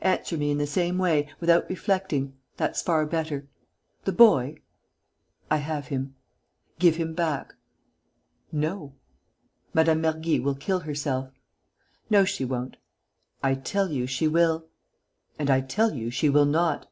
Answer me in the same way, without reflecting: that's far better. The boy?" "I have him." "Give him back." "No." "Mme. Mergy will kill herself." "No, she won't." "I tell you she will." "And I tell you she will not."